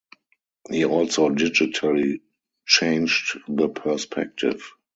He also digitally changed the perspective.